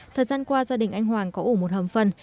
thời gian qua gia đình anh hoàng có ủ một hầm phân